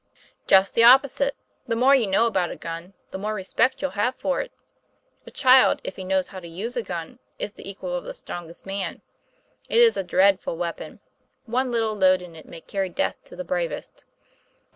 "Just the opposite; the more you know about a gun, the more respect you'll have for it. A child, if he knows how to use a gun, is the equal of the strongest man. It is a dreadful weapon. One little load in it may carry death to the bravest."